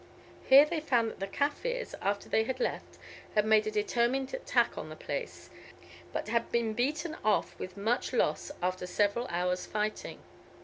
Here they found that the Kaffirs, after they had left, had made a determined attack upon the place, but had been beaten off with much loss after several hours' fighting.